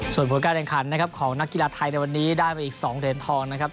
ส่วนผลการแข่งขันนะครับของนักกีฬาไทยในวันนี้ได้ไปอีก๒เหรียญทองนะครับ